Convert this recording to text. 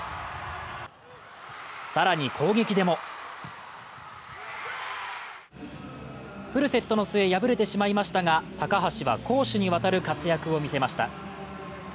更に、攻撃でもフルセットの末、敗れてしまいましたが、高橋は攻守にわたる活躍を見せました。